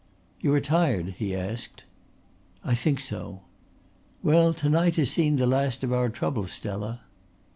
"You are tired?" he asked. "I think so." "Well, to night has seen the last of our troubles, Stella."